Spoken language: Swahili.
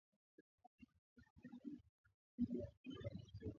Mwandishi Demokrasia ya Jamuhusi ya Kongo aeleza uhuru wa habari katika hali ya kivita